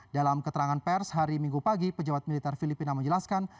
dalam keterangan pers hari minggu pagi pejabat militer filipina menjelaskan